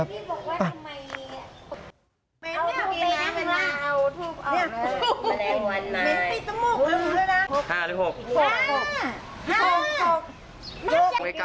ผมเห็นเล็ก๖นะ